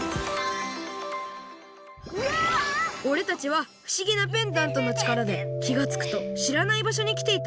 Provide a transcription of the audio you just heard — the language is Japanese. おれたちはふしぎなペンダントのちからできがつくとしらないばしょにきていた